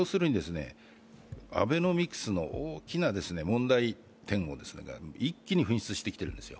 アベノミクスの大きな問題点を一気に噴出してきてるんですよ。